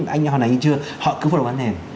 anh nhỏ này như chưa họ cứ phân đồ bán nền